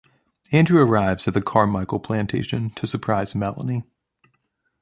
Andrew arrives at the Carmichael Plantation to surprise Melanie.